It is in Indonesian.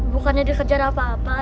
bukannya dikejar apa apa